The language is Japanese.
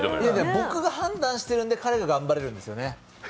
僕が判断してるんで、彼が頑張れるんですよね。